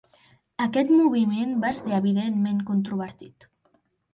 Aquest moviment va ser evidentment controvertit.